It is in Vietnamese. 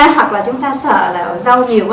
hoặc là chúng ta sợ rau nhiều